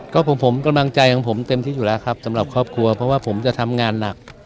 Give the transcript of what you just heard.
ก็ผมกำลังใจของผมเต็มที่อยู่แล้วครับสำหรับครอบครัวเพราะว่าผมจะทำงานหนัก